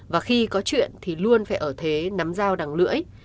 và khi có chuyện thì luôn phải ở thế nắm dao đằng lưỡi